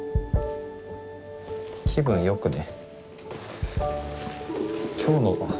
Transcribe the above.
気分良くね。